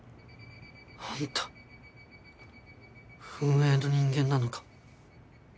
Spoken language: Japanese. あんた運営の人間なのか？